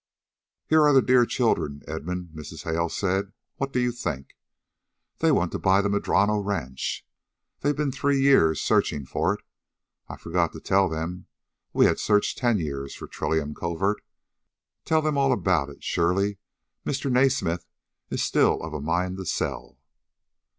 "Here are the dear children, Edmund," Mrs. Hale said. "What do you think! They want to buy the Madrono Ranch. They've been three years searching for it I forgot to tell them we had searched ten years for Trillium Covert. Tell them all about it. Surely Mr. Naismith is still of a mind to sell!"